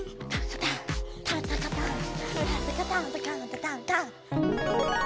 タンタカタンタンタカタンタカンタタンタン。